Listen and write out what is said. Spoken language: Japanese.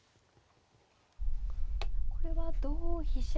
これは同飛車